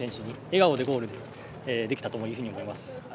笑顔でゴールできたと思います。